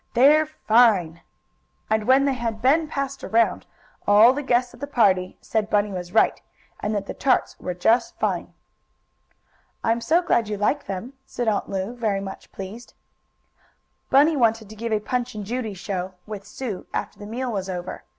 "They're fine!" And when they had been passed around, all the guests at the party said Bunny was right, and that the tarts were just fine! "I'm so glad you like them," said Aunt Lu, very much pleased. Bunny wanted to give a Punch and Judy show, with Sue, after the meal was over.